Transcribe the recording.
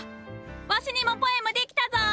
わしにもポエムできたぞ！